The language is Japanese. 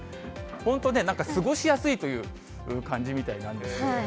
本当、過ごしやすいという感じみたいなんですけれども。